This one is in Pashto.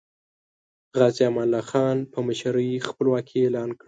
غازی امان الله خان په مشرۍ خپلواکي اعلان کړه.